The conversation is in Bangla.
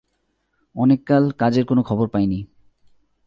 অনেক কাল কাজের কোন খবর পাইনি।